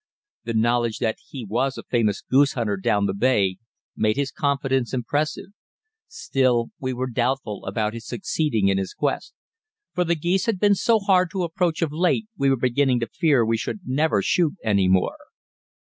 The knowledge that he was a famous goose hunter "down the bay" made his confidence impressive; still we were doubtful about his succeeding in his quest; for the geese had been so hard to approach of late we were beginning to fear we should never shoot any more.